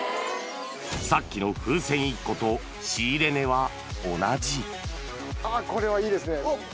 さっきの風船１個と仕入れ値は同これはいいですね。